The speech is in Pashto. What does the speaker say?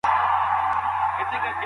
شرعیاتو پوهنځۍ پرته له پلانه نه پراخیږي.